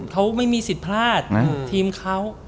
เขาไม่มีสิทธิ์พลาดทีมเขา